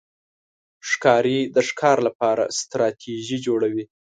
ښکاري د ښکار لپاره ستراتېژي جوړوي.